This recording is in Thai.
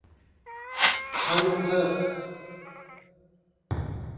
เค้ายกเลิก